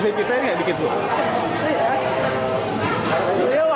sudah lama sih ya